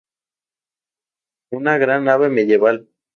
Una gran nave medieval.